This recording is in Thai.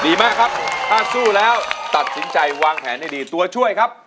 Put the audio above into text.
ดีมากครับถ้าสู้แล้วตัดสินใจวางแผนให้ดีตัวช่วยครับ